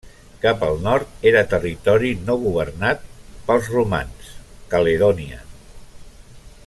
Cap al nord era territori no governat pels romans, Caledònia.